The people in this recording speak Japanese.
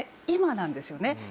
今なんですよね。